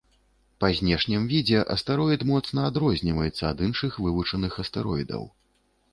Па знешнім відзе астэроід моцна адрозніваецца ад іншых вывучаных астэроідаў.